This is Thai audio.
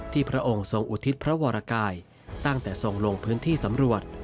พระองค์ทรงอุทิศพระวรกายตั้งแต่ทรงลงพื้นที่สำรวจ